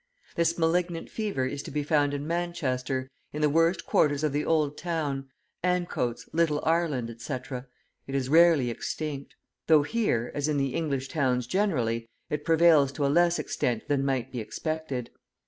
This malignant fever is to be found in Manchester; in the worst quarters of the Old Town, Ancoats, Little Ireland, etc., it is rarely extinct; though here, as in the English towns generally, it prevails to a less extent than might be expected.